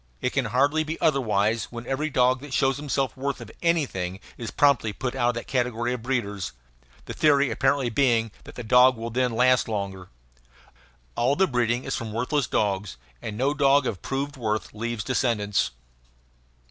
It can hardly be otherwise when every dog that shows himself worth anything is promptly put out of the category of breeders the theory apparently being that the dog will then last longer. All the breeding is from worthless dogs, and no dog of proved worth leaves descendants.